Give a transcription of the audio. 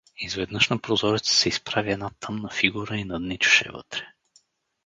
Изведнъж на прозореца се изправи една тъмна фигура и надничаше вътре.